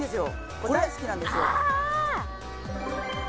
これ大好きなんですよ